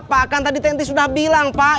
pak kan tadi tent sudah bilang pak